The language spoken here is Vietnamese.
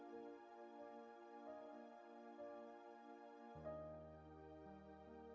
xin chào tạm biệt